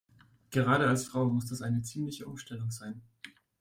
Gerade als Frau muss das eine ziemliche Umstellung sein.